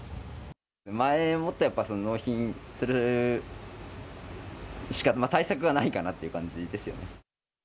前もってやっぱ納品するしか、対策はないかなっていう感じですよね。